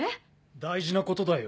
大事なことだよ。